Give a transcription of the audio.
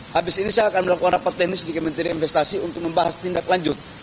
habis ini saya akan melakukan rapat teknis di kementerian investasi untuk membahas tindak lanjut